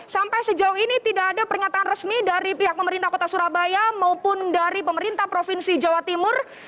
sampai sejauh ini tidak ada pernyataan resmi dari pihak pemerintah kota surabaya maupun dari pemerintah provinsi jawa timur